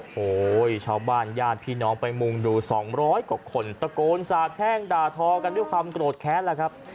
โอ้โหชาวบ้านญาติพี่น้องไปมุงดู๒๐๐กว่าคนตะโกนสาบแช่งด่าทอกันด้วยความโกรธแค้นแล้วครับ